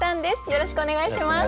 よろしくお願いします。